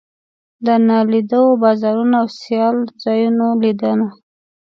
د نالیدلو بازارونو او سیال ځایونو لیدنه.